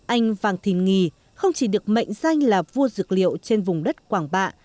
anh vàng thìn nghì không chỉ được mệnh danh là vua dược liệu trên vùng đất quảng bạ